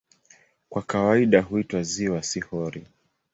Kwa kawaida huitwa "ziwa", si "hori".